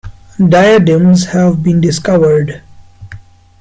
Diadems have been discovered.